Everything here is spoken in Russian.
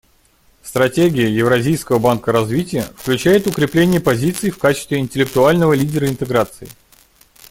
Стратегия Евразийского банка развития включает укрепление позиций в качестве интеллектуального лидера интеграции.